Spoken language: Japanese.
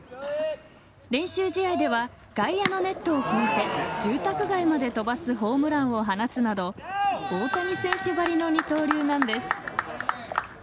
練習試合では外野のネットを越えて住宅街まで飛ばすホームランを放つなど大谷選手ばりの二刀流なんです。